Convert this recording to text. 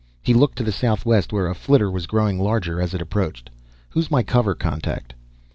He looked to the southwest where a flitter was growing larger as it approached. "Who's my cover contact?"